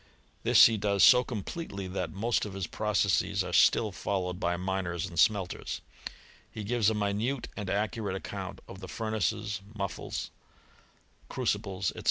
This he does so completely, that most of his processes are still followed by miners and smelters* He gives a minute and accurate account of the furnaces, mufflles, crucibles, &c.